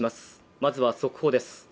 まずは速報です。